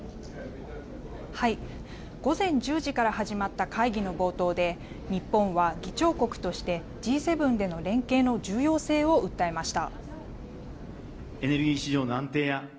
午前１０時から始まった会議の冒頭で日本は議長国としてＧ７での連携の重要性を訴えました。